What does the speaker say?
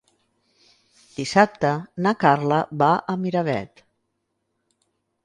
Dissabte na Carla va a Miravet.